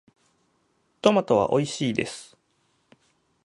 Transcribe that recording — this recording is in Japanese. トマトはおいしいです。